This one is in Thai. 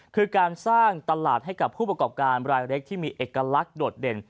คือการสร้างตลาดให้กับผู้ประกอบการรายเล็กที่มีเอกลักษณ์โดดเด่น